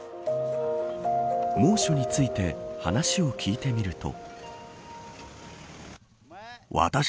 猛暑について話を聞いてみると。